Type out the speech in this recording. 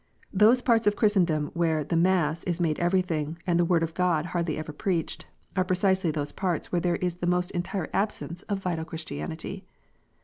Those parts of Christendom where " the mass " is made everything, and the Word of God hardly ever preached, are precisely those parts where there is the most entire absence of vital Christianity.